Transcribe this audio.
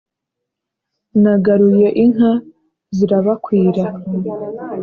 nagaruye inka zirabakwira